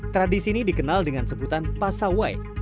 tradisi ini dikenal dengan sebutan pasawai